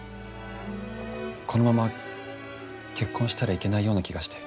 このまま結婚したらいけないような気がして。